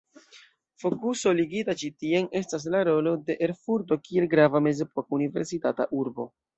Fokuso ligita ĉi tien estas la rolo de Erfurto kiel grava mezepoka universitata urbo.